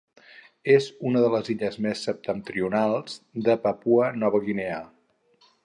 És una de les illes més septentrionals de Papua Nova Guinea.